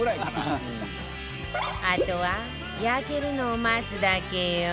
あとは焼けるのを待つだけよ